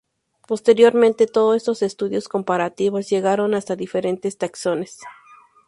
Posteriormente, todos estos estudios comparativos llegaron hasta diferentes taxones.